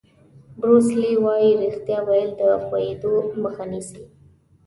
بروس لي وایي ریښتیا ویل د ښویېدو مخه نیسي.